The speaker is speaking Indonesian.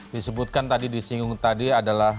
di sebutkan tadi di singung tadi adalah